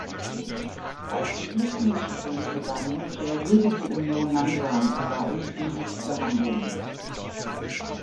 Als die Flüchtlingsströme begannen, reagierte die Union langsam und war unfähig zu handeln.